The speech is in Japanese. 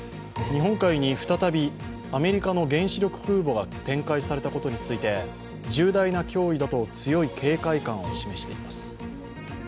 日本海に再びアメリカの原子力空母が展開されたことについて重大な脅威だと強い警戒感を示しています。